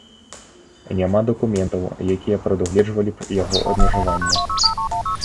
Няма дакументаў, якія прадугледжвалі б яго абмежаванне.